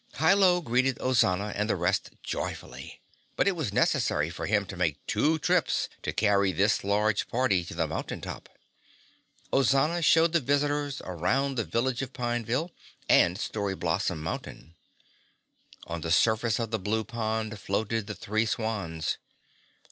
Hi Lo greeted Ozana and the rest joyfully, but it was necessary for him to make two trips to carry this large party to the mountain top. Ozana showed the visitors around the Village of Pineville and Story Blossom Garden. On the surface of the blue pond floated the three swans.